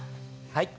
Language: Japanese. はい。